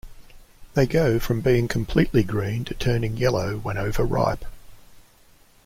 They go from being completely green to turning yellow when overripe.